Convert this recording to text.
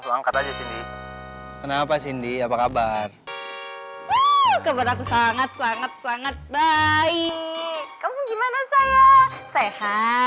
yogeng ini nggak kerempatan pix